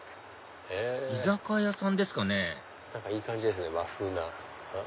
居酒屋さんですかねいい感じですね和風な。